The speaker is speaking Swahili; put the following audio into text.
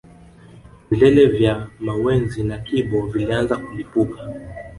Vilele vya mawenzi na kibo vilianza kulipuka